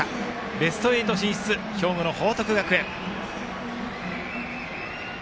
ベスト８進出、兵庫の報徳学園。